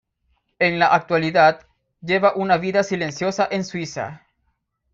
En la actualidad, lleva una vida silenciosa en Suiza.